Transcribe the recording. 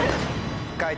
解答